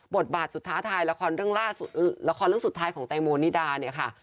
บทบาทสุดท้ายละครเรื่องสุดท้ายของแตงโมนิดาเนี่ยค่ะ